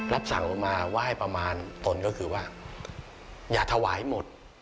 รับสั่งมาไหว้ประมาณตนก็คือว่าอย่าถวายหมด